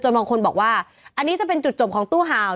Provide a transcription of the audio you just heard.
บางคนบอกว่าอันนี้จะเป็นจุดจบของตู้ห่าว